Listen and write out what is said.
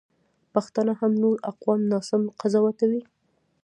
پښتانه هم نور اقوام ناسم قضاوتوي.